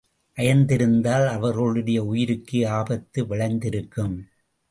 அயர்ந்திருந்தால் அவர்களுடைய உயிருக்கே ஆபத்து விளைந்திருக்கும்.